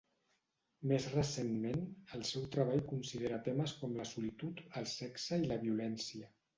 Més recentment, el seu treball considera temes com la solitud, el sexe i la violència.